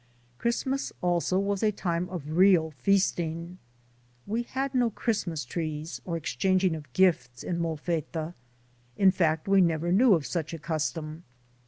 Christmas also was a time of real feasting. We had no Christmas trees or exchanging of gifts in Molfetta; in fact, we never knew of such a custom.